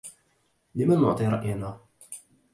لمن نعطي رأينا